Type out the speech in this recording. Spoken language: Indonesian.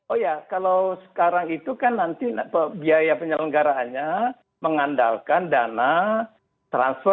oh ya kalau sekarang itu kan nanti biaya penyelenggaraannya mengandalkan dana transfer